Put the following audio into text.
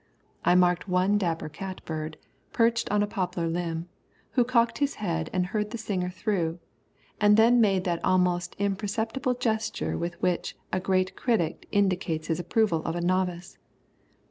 I marked one dapper catbird, perched on a poplar limb, who cocked his head and heard the singer through, and then made that almost imperceptible gesture with which a great critic indicates his approval of a novice.